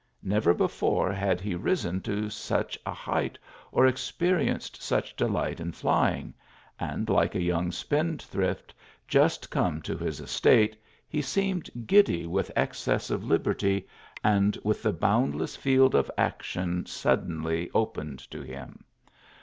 Never before had he risen to such a height or experienced such delight in flying, and like a young spendthrift, just conie to his estate, he seemed giddy with excess of liberty, and with the boundless field of action suddenly opened to him.